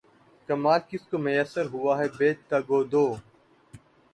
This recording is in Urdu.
کمال کس کو میسر ہوا ہے بے تگ و دو